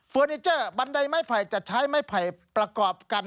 นิเจอร์บันไดไม้ไผ่จะใช้ไม้ไผ่ประกอบกัน